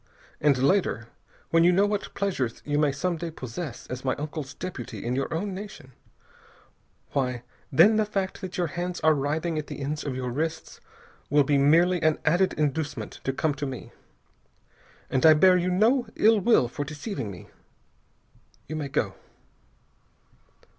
And later, when you know what pleasures you may some day possess as my uncle's deputy in your own nation, why, then the fact that your hands are writhing at the ends of your wrists will be merely an added inducement to come to me. And I bear you no ill will for deceiving me. You may go."